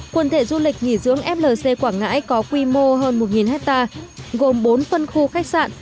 quần thể du lịch nghỉ dưỡng flc quảng ngãi có quy mô hơn một hectare gồm bốn phân khu khách sạn